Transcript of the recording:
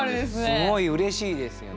すごいうれしいですよね。